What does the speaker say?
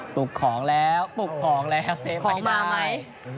ปลุกของแล้วปลุกของแล้วเส้นไปได้